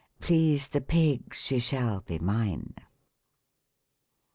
Please the pigs she shall be mine